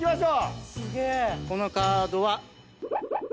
このカードは。